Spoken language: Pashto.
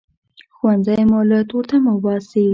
ښوونځی مو له تورتمه باسي